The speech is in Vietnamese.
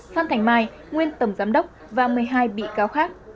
phan thành mai nguyên tổng giám đốc và một mươi hai bị cáo khác